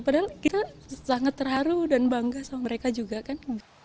padahal kita sangat terharu dan bangga sama mereka juga kan